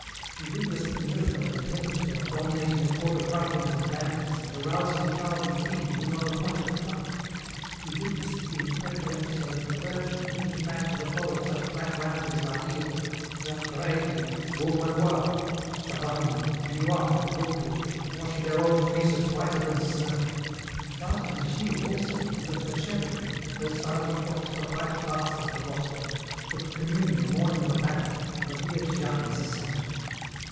He witnessed the miracle of a peasant girl dominating a court of ruffians and bandits and arousing a cowardly king who was on the point of flight. He witnessed the incredible episode of a virgin bringing back to the fold such black rams as La Hire, Xaintrailles, Beaumanoir, Chabannes, Dunois, and Gaucourt, and washing their old fleeces whiter than snow. Undoubtedly Gilles also, under her shepherding, docilely cropped the white grass of the gospel, took communion the morning of a battle, and revered Jeanne as a saint.